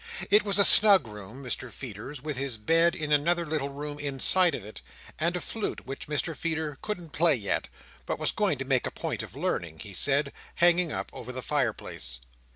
It was a snug room, Mr Feeder's, with his bed in another little room inside of it; and a flute, which Mr Feeder couldn't play yet, but was going to make a point of learning, he said, hanging up over the fireplace.